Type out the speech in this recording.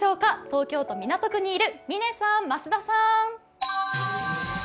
東京都港区にいる嶺さん、増田さん。